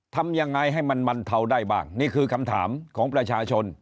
ทำยังไงให้มันบรรเทาได้บ้างนี่คือคำถามของประชาชน